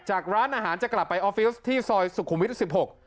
จากร้านอาหารจะกลับไปออฟฟิล์ส์ที่ซอยสุขุมวิทย์๑๖